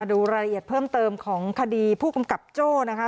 ดูรายละเอียดเพิ่มเติมของคดีผู้กำกับโจ้นะคะ